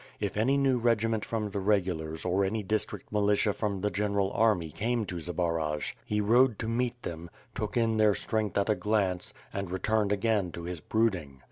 If any new regiment from the regulars or any district militia from the general army came to Zbaraj, he rode to meet them, took in their strength at a glance, and returned again to his broodine.